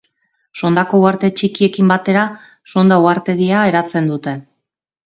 Sondako uharte txikiekin batera, Sonda uhartedia eratzen dute.